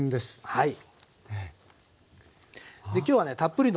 はい。